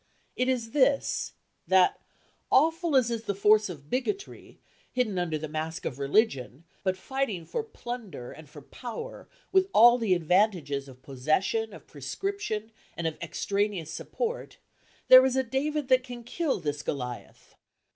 It is this, that, awful as is the force of bigotry, hidden under the mask of religion, but fighting for plunder and for power with all the advantages of possession, of prescription, and of extraneous support, there is a David that can kill this Goliath.